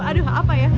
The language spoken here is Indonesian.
aduh apa ya